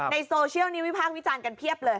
โซเชียลนี้วิพากษ์วิจารณ์กันเพียบเลย